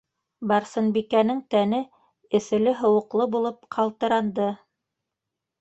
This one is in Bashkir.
- Барсынбикәнең тәне эҫеле-һыуыҡлы булып ҡалтыранды.